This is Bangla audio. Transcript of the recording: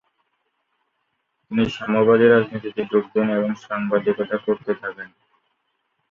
তিনি সাম্যবাদী রাজনীতিতে যোগ দেন এবং সাংবাদিকতা করতে থাকেন।